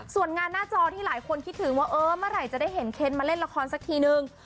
ส่วนงานหน้าจอที่หลายคนคิดถึงว่าเออเมื่อไหร่จะได้เห็นเคนมาเล่นละครสักทีนึง